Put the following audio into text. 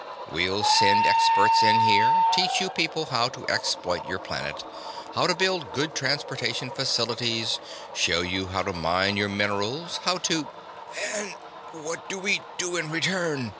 We'll send experts in here, teach you people how to exploit your planet, how to build good transportation facilities, show you how to mine your minerals, how to—" "And what do we do in return?"